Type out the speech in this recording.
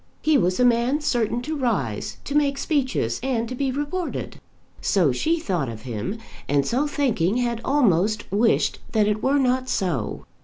He was a man certain to rise, to make speeches, and to be reported. So she thought of him; and so thinking had almost wished that it were not so.